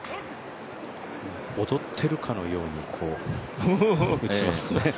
踊ってるかのように打ちますね。